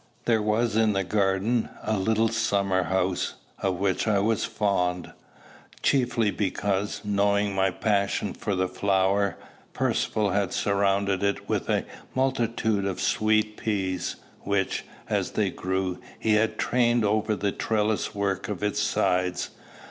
There was in the garden a little summer house, of which I was fond, chiefly because, knowing my passion for the flower, Percivale had surrounded it with a multitude of sweet peas, which, as they grew, he had trained over the trellis work of its sides.